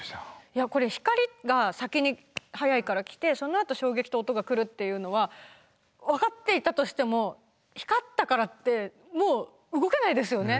いやこれ光が先に速いから来てそのあと衝撃と音が来るっていうのは分かっていたとしても光ったからってもう動けないですよね。